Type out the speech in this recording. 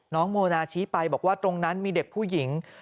โมนาชี้ไปบอกว่าตรงนั้นมีเด็กผู้หญิง